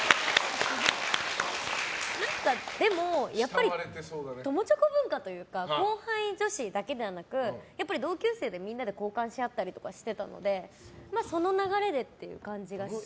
でも、友チョコ文化というか後輩女子だけではなく同級生で、みんなで交換し合ったりとかしていたのでその流れでっていう感じがします。